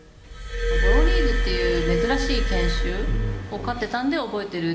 ボロニーズっていう珍しい犬種を飼ってたんで、覚えてる。